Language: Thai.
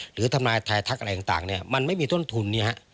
หรือธรรมนาไทยทักษ์อะไรต่างมันไม่มีต้นทุน